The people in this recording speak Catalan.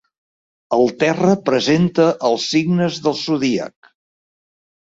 El terra presenta els signes del zodíac.